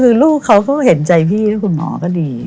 คือลูกเขาก็เห็นใจพี่นะคุณหมอก็ดี